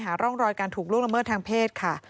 หาร่องรอยการถูกล่วงละเมิดทางเพศค่ะ